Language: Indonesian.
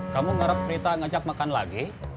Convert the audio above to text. kamu ngarep berita ngajak makan lagi